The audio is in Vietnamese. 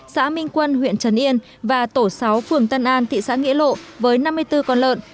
xã minh quân huyện trấn yên và tổ sáu phường tân an thị xã nghĩa lộ với năm mươi bốn con lợn